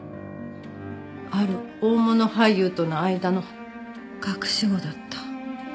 ある大物俳優との間の隠し子だった。